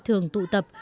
thường tụ tập